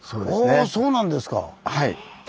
あぁそうなんですか。